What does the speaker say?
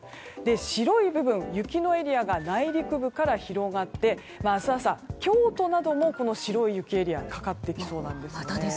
白い部分、雪のエリアが内陸部から広がって明日朝、京都なども白い雪エリアがかかってきそうです。